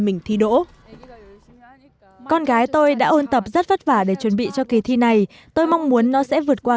mình thi đỗ con gái tôi đã ôn tập rất vất vả để chuẩn bị cho kỳ thi này tôi mong muốn nó sẽ vượt qua